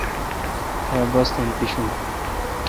تا باستھین پیشو۔